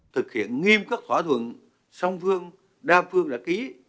thực hiện nghiêm cấp hỏa thuận song phương đa phương đã ký